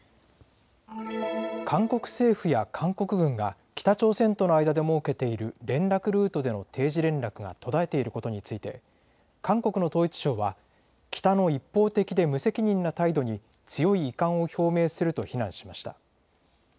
韓国政府や韓国軍が北朝鮮との間で設けている連絡ルートでの定時連絡が途絶えていることについて韓国の統一相は北の一方的で無責任な態度に強い遺憾を表明すると非難しました。